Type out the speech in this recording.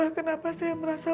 entah mengapa saya merasa